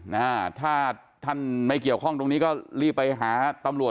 นะฮะถ้าท่านไม่เกี่ยวข้องตรงนี้ก็รีบไปหาตำรวจ